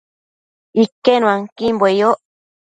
Iquenuanquimbue yoc